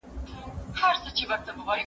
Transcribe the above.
هغه څوک چي انځور ګوري زده کوي!!